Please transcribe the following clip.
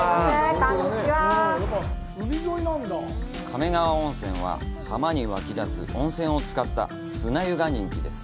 亀川温泉は、浜に湧き出す温泉を使った砂湯が人気です。